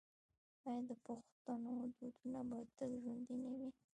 آیا د پښتنو دودونه به تل ژوندي نه وي؟